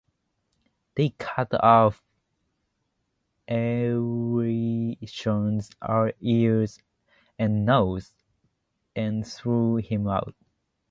They cut off Eurytion's ears and nose and threw him out.